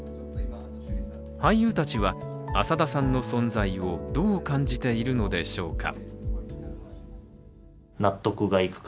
俳優たちは浅田さんの存在をどう感じているのでしょうか。